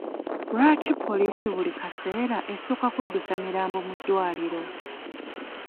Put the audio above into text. Lwaki poliisi buli kaseera esooka kuddusa mirambo mu ddwaliro?